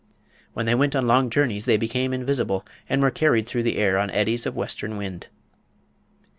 When they went on long journeys they became invisible, and were carried through the air on eddies of western wind.